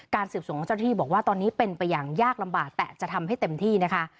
สืบส่งของเจ้าที่บอกว่าตอนนี้เป็นไปอย่างยากลำบากแต่จะทำให้เต็มที่นะคะ